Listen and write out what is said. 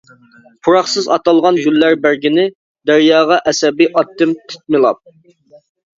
پۇراقسىز ئاتالغان گۈللەر بەرگىنى، دەرياغا ئەسەبىي ئاتتىم تىتمىلاپ.